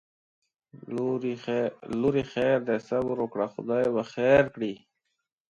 لورې خیر دی صبر وکړه خدای به خیر کړي